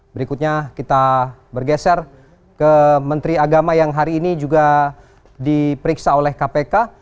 berikutnya kita bergeser ke menteri agama yang hari ini juga diperiksa oleh kpk